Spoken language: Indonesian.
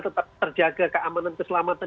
tetap terjaga keamanan keselamatan